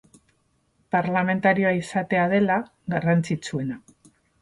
Parlamentarioa izatea dela garrantzitsuena.